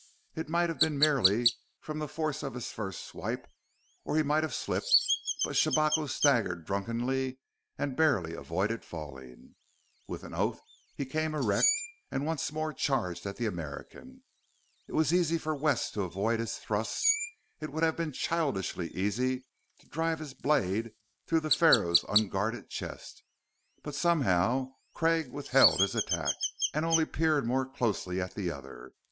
It might have been merely from the force of his first swipe, or he might have slipped but Shabako staggered drunkenly and barely avoided falling. With an oath, he came erect and once more charged at the American. It was easy for Wes to avoid his thrust; it would have been childishly easy to drive his blade through the Pharaoh's unguarded chest. But somehow Craig withheld his attack, and only peered more closely at the other.